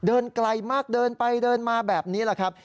เดินไกลมากเดินไปเดินมาแบบนี้แหละครับ